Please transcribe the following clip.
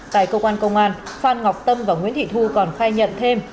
tại công an công an phan ngọc tâm và nguyễn thị thu còn khai nhận thêm